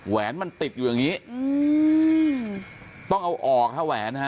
แหนมันติดอยู่อย่างนี้อืมต้องเอาออกฮะแหวนฮะ